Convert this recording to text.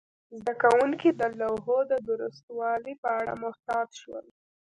زده کوونکي د لوحو د درستوالي په اړه محتاط شول.